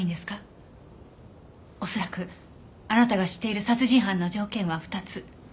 恐らくあなたが知っている殺人犯の条件は２つ。